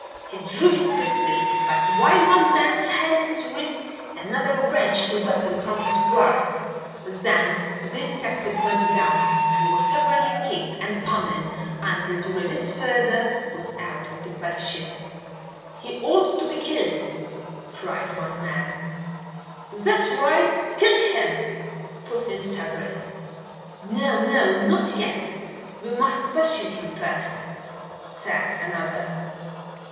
He drew his pistol, but while one man held his wrist another wrenched the weapon from his grasp. Then the detective went down and was severely kicked and pummelled, until to resist further was out of the question. "He ought to be killed!" cried one man. "That's right, kill him!" put in several. "No! no! not yet. We must question him first," said another.